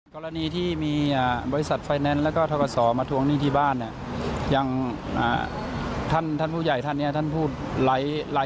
กรณีที่หลานผมเสียชีวิตหรือไม่